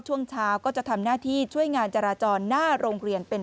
ช่วงเช้าก็จะทำหน้าที่ช่วยงานจราจรหน้าโรงเรียนเป็น